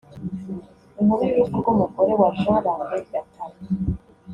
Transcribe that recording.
Inkuru y’urupfu rw’umugore wa Jean Lambert Gatare